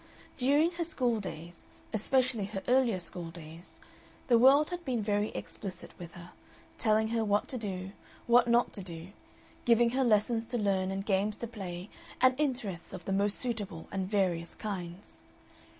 During her school days, especially her earlier school days, the world had been very explicit with her, telling her what to do, what not to do, giving her lessons to learn and games to play and interests of the most suitable and various kinds.